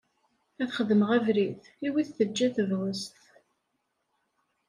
Ad xedmeɣ abrid i wid teǧǧa tebɣest.